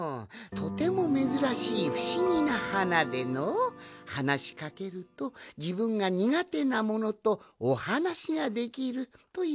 とてもめずらしいふしぎなはなでのはなしかけるとじぶんがにがてなものとおはなしができるといわれとるんじゃ。